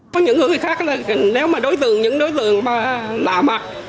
có những người khác nếu mà đối tượng những đối tượng mà lạ mặt